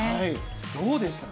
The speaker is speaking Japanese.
どうでしたか？